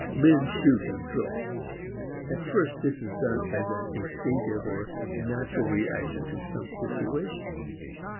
Men shoot and throw. At first this is done as an "instinctive" or natural reaction to some situation.